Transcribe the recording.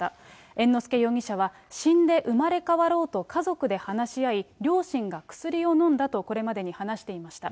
猿之助容疑者は、死んで生まれ変わろうと家族で話し合い、両親が薬を飲んだとこれまでに話していました。